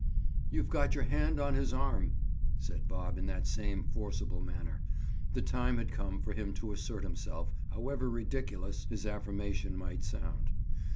"You've got your hand on his arm," said Bob in that same forcible manner. The time had come for him to assert himself, however ridiculous his affirmation might sound.